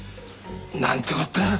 なんてこった。